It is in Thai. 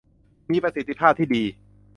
มีประสิทธิภาพที่ดี